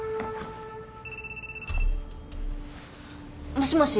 もしもし？